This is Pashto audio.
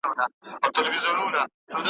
چې هر چاته خدای پاک ښې سترګې ورکړي